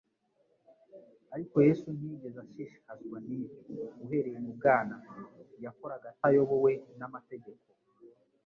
Ariko Yesu ntiyigeze ashishikazwa n'ibyo. Uhereye mu bwana yakoraga atayobowe n'amategeko